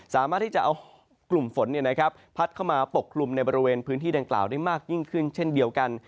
สามารถที่จะเอากลุ่มฝนพัดเข้ามาปกคลุมในบริเวณพื้นที่ดังกล่าวได้มากยิ่งขึ้นเช่นเดียวกัน